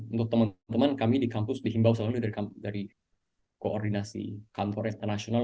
untuk teman teman kami di kampus dihimbau selalu dari koordinasi kantor internasional